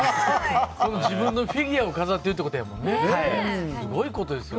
自分のフィギュアを飾ってるってことやもんね。